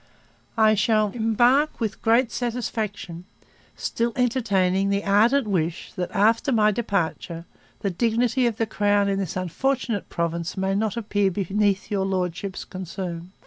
... I shall embark with great satisfaction, still entertaining the ardent wish that, after my departure, the dignity of the Crown in this unfortunate Province may not appear beneath your Lordship's concern.'